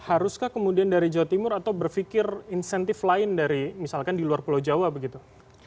haruskah kemudian dari jawa timur atau berpikir insentif lain dari misalkan di luar pulau jawa begitu